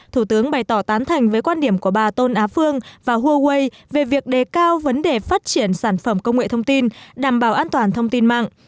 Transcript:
thủ tướng bày tỏ tán thành với quan điểm của bà tôn á phương và huawei về việc đề cao vấn đề phát triển sản phẩm công nghệ thông tin đảm bảo an toàn thông tin mạng